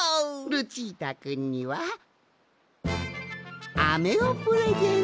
ルチータくんにはアメをプレゼント。